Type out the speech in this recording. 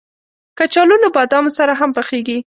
کچالو له بادامو سره هم پخېږي